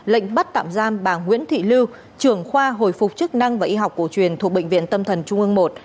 lệnh bắt tạm giam bà nguyễn thị lưu trưởng khoa hồi phục chức năng và y học cổ truyền thuộc bệnh viện tâm thần trung ương i